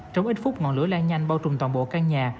trong ít phút ngọn lửa lan nhanh bao trùm toàn bộ căn nhà